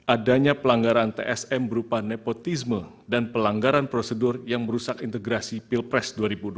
adanya pelanggaran tsm berupa nepotisme dan pelanggaran prosedur yang merusak integrasi pilpres dua ribu dua puluh